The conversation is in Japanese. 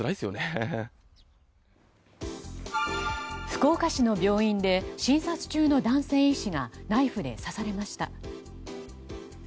福岡市の病院で診察中の男性医師がナイフで刺されました。